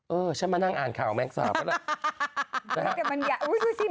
เออฉันมานั่งอ่านข่าวมะแรงสาบแล้วนะครับ